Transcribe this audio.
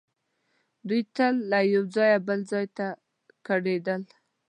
دوی تل له یو ځایه بل ځای ته کډېدل.